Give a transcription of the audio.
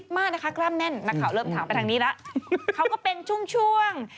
ถามไปทางนี้แล้วเขาก็เป็นช่วง